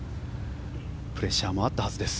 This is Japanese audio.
プレッシャーもあったはずです。